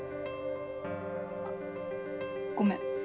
あっごめん